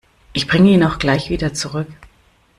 Ich bringe ihn auch gleich wieder zurück.